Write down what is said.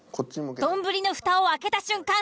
丼の蓋を開けた瞬間